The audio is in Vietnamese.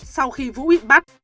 sau khi vũ bị bắt